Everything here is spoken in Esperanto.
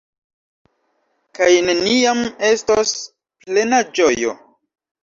Kaj neniam estos plena ĝojo.